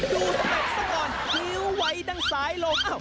ดูสนดสะงอนพลิ้วไว้ดังสายลง